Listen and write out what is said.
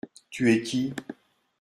Tu es qui ?